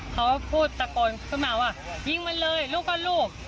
เขาพูดตะโกนขึ้นมาว่ายิงมันเลยลูกก็ลูก